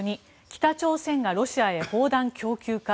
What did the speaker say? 北朝鮮がロシアへ砲弾供給か。